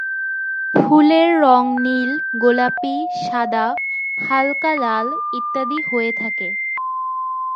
ফুলের রং নীল, গোলাপি, সাদা, হালকা লাল ইত্যাদি হয়ে থাকে।